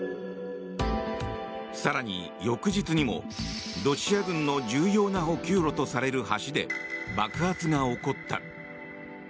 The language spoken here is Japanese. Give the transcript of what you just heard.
更に翌日にも、ロシア軍の重要な補給路とされる橋で爆発が起こった。